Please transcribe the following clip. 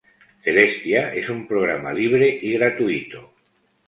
Celestia es un programa libre y gratuito.